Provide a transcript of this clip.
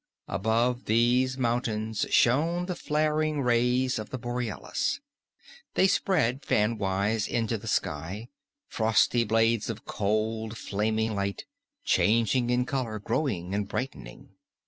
Above these mountains shone the flaring rays of the borealis. They spread fan wise into the sky, frosty blades of cold flaming light, changing in color, growing and brightening.